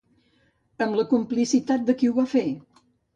Amb la complicitat de qui ho va fer?